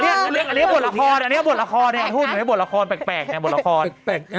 เรื่องนี้ก็บทละครเนี่ยทุนแบบบทละครแปลกนะ